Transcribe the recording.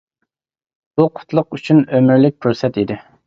بۇ قۇتلۇق ئۈچۈن ئۆمۈرلۈك پۇرسەت ئىدى.